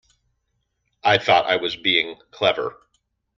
I thought I was being clever.